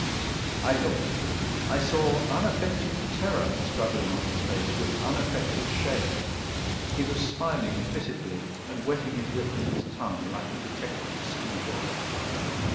I looked at him. I saw unaffected terror struggling on his face with unaffected shame; he was smiling pitifully and wetting his lip with his tongue, like a detected schoolboy.